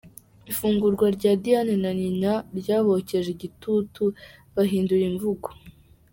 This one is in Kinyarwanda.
Ifungurwa rya Diane na nyina ryabokeje igitutu bahindura imvugo